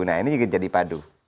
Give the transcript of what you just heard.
nah ini juga jadi padu